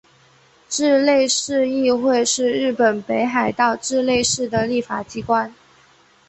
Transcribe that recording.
稚内市议会是日本北海道稚内市的立法机关。